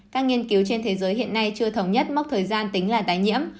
các nghiên cứu trên thế giới hiện nay chưa thống nhất mốc thời gian tính là tái nhiễm